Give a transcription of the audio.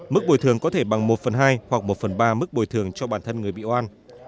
mức bồi thường có thể bằng một phần hai hoặc một phần ba mức bồi thường cho bản thân người bị oan